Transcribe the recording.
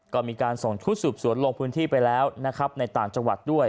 ก็มีการส่งชุดสืบสวนลงพื้นที่ไปแล้วนะครับในต่างจังหวัดด้วย